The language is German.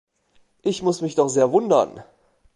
Ich muss mich doch sehr wundern!